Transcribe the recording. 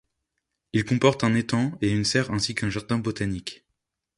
Il comporte un étang et une serre ainsi qu'un jardin botanique.